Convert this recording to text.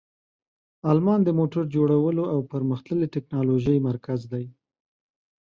آلمان د موټر جوړولو او پرمختللې تکنالوژۍ مرکز دی.